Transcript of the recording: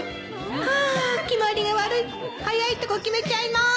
ハァきまりが悪い早いとこ決めちゃいまーす